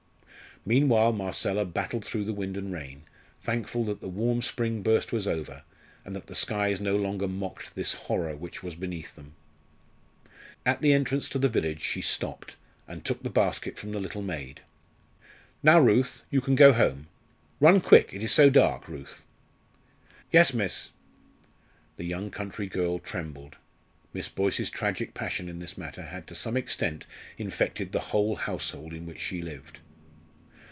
Meanwhile Marcella battled through the wind and rain, thankful that the warm spring burst was over, and that the skies no longer mocked this horror which was beneath them. At the entrance to the village she stopped, and took the basket from the little maid. "Now, Ruth, you can go home. Run quick, it is so dark, Ruth!" "Yes, miss." The young country girl trembled. Miss Boyce's tragic passion in this matter had to some extent infected the whole household in which she lived.